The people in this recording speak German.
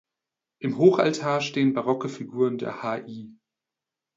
Im Hochaltar stehen barocke Figuren der Hl.